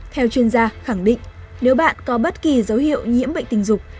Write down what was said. theo chuyên gia khẳng định nếu bạn có bất kỳ dấu hiệu nhiễm bệnh tình dục